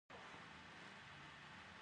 لر پښتون ښوونځي کې اردو زده کوي.